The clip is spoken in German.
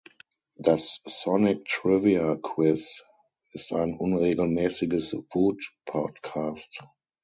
Das Sonic Trivia Quiz ist ein unregelmäßiges Woot Podcast.